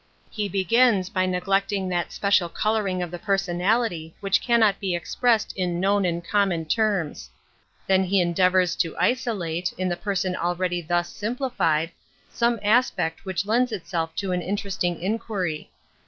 He be gins by neglecting that special coloring of the personality which cannot be ex pressed in known and common terms. Then he endeavors to isolate, in the person already thus simplified, some aspect which lends itself to an interesting inquiry.